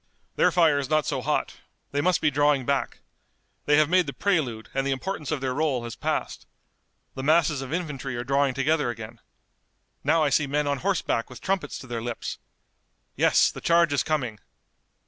"Their fire is not so hot. They must be drawing back. They have made the prelude, and the importance of their role has passed. The masses of infantry are drawing together again. Now I see men on horseback with trumpets to their lips. Yes, the charge is coming.